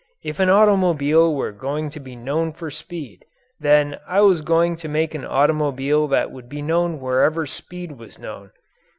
If an automobile were going to be known for speed, then I was going to make an automobile that would be known wherever speed was known.